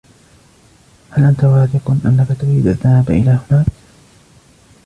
هل أنت واثق أنك تريد الذهاب إلى هناك ؟